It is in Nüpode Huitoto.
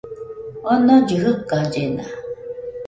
Onollɨ jɨkallena